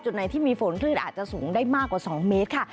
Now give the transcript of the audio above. ไหนที่มีฝนคลื่นอาจจะสูงได้มากกว่า๒เมตรค่ะ